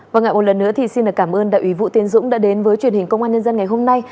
và ngại một lần nữa thì xin cảm ơn đại ủy vũ tiến dũng đã đến với truyền hình công an nhân dân ngày hôm nay